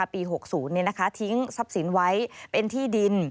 ปี๖๐ทิ้งทรัพย์สินไว้เป็นที่ดิน